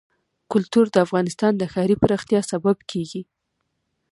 کلتور د افغانستان د ښاري پراختیا سبب کېږي.